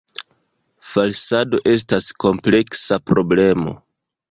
Falsado estas kompleksa problemo.